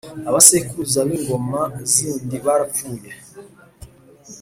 Abasekuruza b’ingoma zindi barapfuye